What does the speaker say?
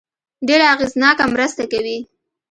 ډېره اغېزناکه مرسته کوي.